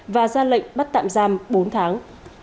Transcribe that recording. và ra lệnh bắt tạm giam bốn tháng